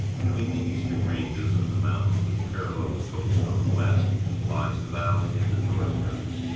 Between the eastern ranges and the mountains which parallel the coast on the west lies the valley of the Jordan River.